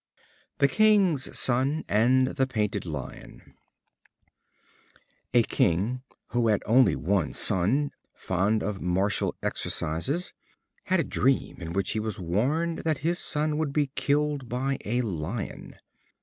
The King's Son and the Painted Lion. A King who had one only son, fond of martial exercises, had a dream in which he was warned that his son would be killed by a lion.